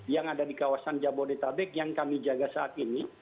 yang ada di kawasan jabodetabek yang kami jaga saat ini